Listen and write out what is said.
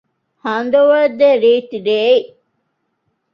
ހަނދުވަރުދޭ ރީތިރެއެއް